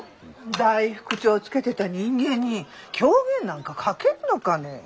大福帳つけてた人間に狂言なんか書けるのかね？